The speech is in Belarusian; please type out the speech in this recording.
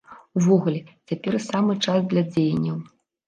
Увогуле, цяпер самы час для дзеянняў.